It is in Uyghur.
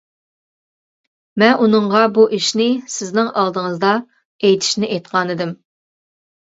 مەن ئۇنىڭغا بۇ ئىشنى سىزنىڭ ئالدىڭىزدا ئېيتىشنى ئېيتقانتىم.